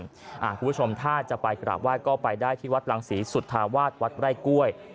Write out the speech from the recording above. คุณผู้ชมถ้าจะไปกราบไห้ก็ไปได้ที่วัดรังศรีสุธาวาสวัดไร่กล้วย